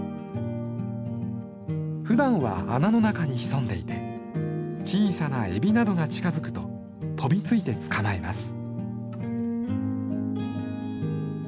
ふだんは穴の中に潜んでいて小さなエビなどが近づくと飛びついて捕まえます。